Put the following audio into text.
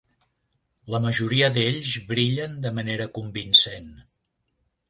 La majoria d"ells brillen de manera convincent.